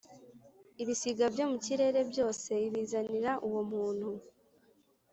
ibisiga byo mu kirere byose, ibizanira uwo muntu